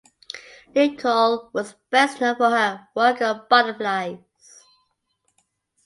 Nicholl was best known for her work on butterflies.